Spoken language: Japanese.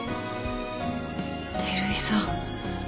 照井さん